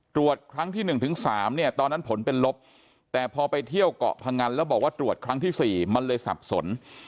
ตรวจครั้งที่๑๓เนี่ยตอนนั้นผลเป็นลบแต่พอไปเที่ยวเกาะพงันแล้วบอกว่าตรวจครั้งที่๔มันเลยสับสน